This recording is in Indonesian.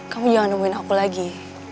kamu jangan nemuin aku lagi